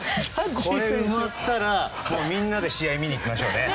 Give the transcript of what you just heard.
これが埋まったら、みんなで試合見に行きましょうね。